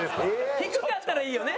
低かったらいいよね。